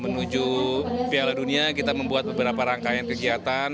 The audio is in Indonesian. menuju piala dunia kita membuat beberapa rangkaian kegiatan